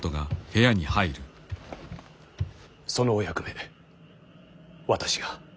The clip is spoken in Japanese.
そのお役目私が。